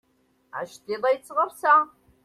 Aceṭṭiḍ-a yettɣersa.